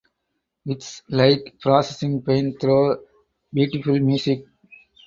It’s like processing pain through beautiful music.